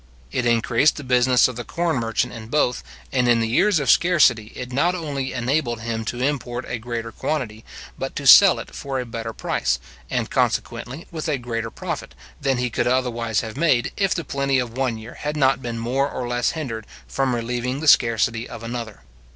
It increased the business of the corn merchant in both; and in the years of scarcity, it not only enabled him to import a greater quantity, but to sell it for a better price, and consequently with a greater profit, than he could otherwise have made, if the plenty of one year had not been more or less hindered from relieving the scarcity of another.